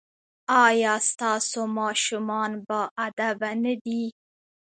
ایا ستاسو ماشومان باادبه نه دي؟